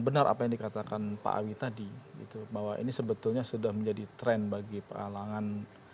benar apa yang dikatakan pak awi tadi bahwa ini sebetulnya sudah menjadi tren bagi pelanggan